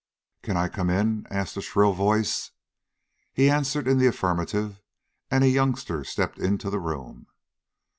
"Can I come in?" asked a shrill voice. He answered in the affirmative, and a youngster stepped into the room.